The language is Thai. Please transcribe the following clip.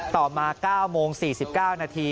ต่อมา๙โมง๔๙นาที